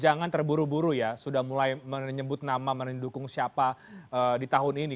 jangan terburu buru ya sudah mulai menyebut nama mendukung siapa di tahun ini